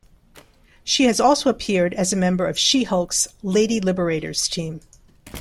She has also appeared as a member of She-Hulk's "Lady Liberators" team.